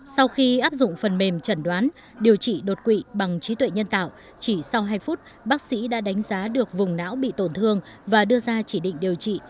sau khi áp dụng phần mềm trần đoán điều trị đột quỵ bằng trí tuệ nhân tạo chỉ sau hai phút bác sĩ đã đánh giá được vùng não bị tổn thương và đưa ra chỉ định điều trị